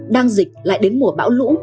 đang dịch lại đến mùa bão lũ